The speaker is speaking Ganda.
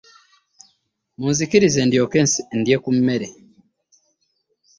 Munzikirize nsooke ndye ku mmere.